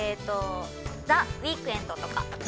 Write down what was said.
ザ・ウィークエンドとか。